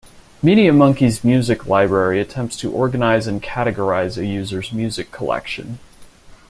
MediaMonkey's music library attempts to organize and categorize a user's music collection.